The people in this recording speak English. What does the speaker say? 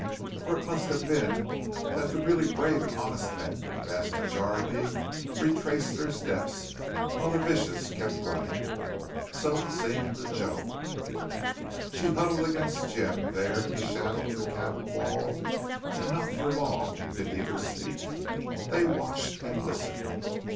For it must have been that the really brave and honest men in vast majority retraced their steps while the vicious kept running. So it seemed to Joan. She huddled against Jim there in the shadow of the cabin wall, and not for long did either speak. They watched and listened.